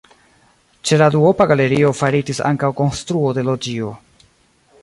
Ĉe la duopa galerio faritis ankaŭ konstruo de loĝio.